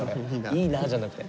「いいなぁ」じゃなくて。